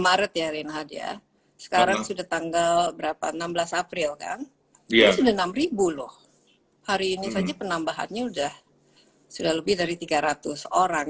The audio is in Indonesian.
mobil kan dia sudah enam ribu loh hari ini saja penambahannya udah sudah lebih dari tiga ratus orang